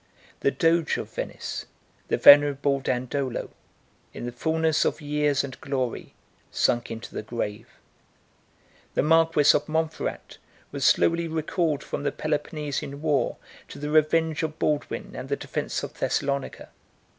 The doge of Venice, the venerable Dandolo, in the fulness of years and glory, sunk into the grave. The marquis of Montferrat was slowly recalled from the Peloponnesian war to the revenge of Baldwin and the defence of Thessalonica.